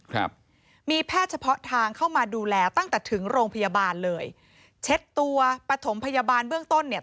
ครับมีแพทย์เฉพาะทางเข้ามาดูแลตั้งแต่ถึงโรงพยาบาลเลยเช็ดตัวปฐมพยาบาลเบื้องต้นเนี่ย